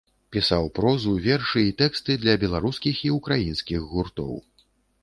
Пісаў прозу, вершы і тэксты для беларускіх і ўкраінскіх гуртоў.